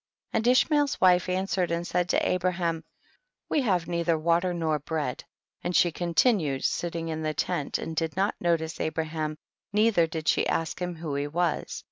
27. And IshmacFs wife answered and said to Abraham, we have neither water nor bread, and siie continued sitting in the tent and did not notice Abraham, neither did she ask him who he was.